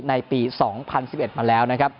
ในปี๒๐๑๑มาแล้วนะครับ